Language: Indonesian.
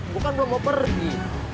gue kan belum mau pergi